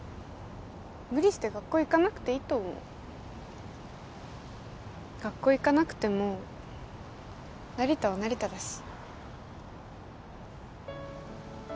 無理して学校行かなくていいと思う学校行かなくても成田は成田だし